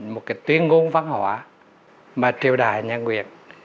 một cái tuyên ngôn văn hóa mà triều đài nhà nguyệt